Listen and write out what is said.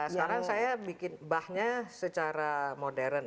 sekarang saya bikin bahnya secara modern